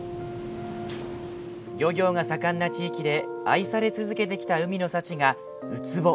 漁業が盛んな地域で愛され続けてきた海の幸がウツボ。